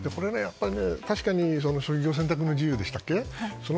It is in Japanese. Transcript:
確かに職業選択の自由でしたっけ。